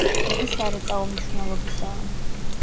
დიდი სარეწაო მნიშვნელობისაა.